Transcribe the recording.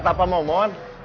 dia seorang anak gampang